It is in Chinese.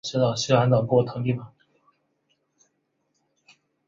氯化铽可以形成无水物和六水合物。